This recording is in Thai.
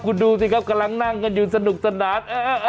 คุณดูสิครับกำลังนั่งกันอยู่สนุกสนาน